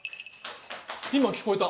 今聞こえた。